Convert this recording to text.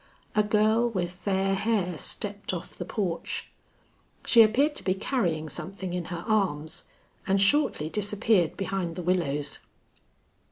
A girl with fair hair stepped off the porch. She appeared to be carrying something in her arms, and shortly disappeared behind the willows.